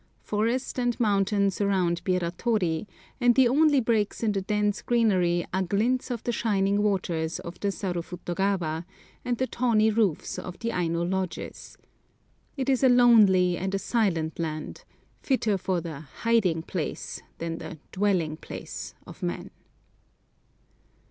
Forest and mountain surround Biratori, and the only breaks in the dense greenery are glints of the shining waters of the Sarufutogawa, and the tawny roofs of the Aino lodges. It is a lonely and a silent land, fitter for the hiding place than the dwelling place of men.